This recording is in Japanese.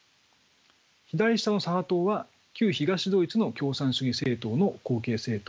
左下の左派党は旧東ドイツの共産主義政党の後継政党で